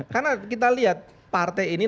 karena kita lihat partai ini